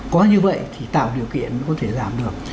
có như vậy thì tạo điều kiện mới có thể giảm được